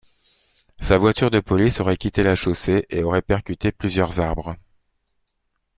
Sa voiture de police aurait quitté la chaussée et aurait percuté plusieurs arbres.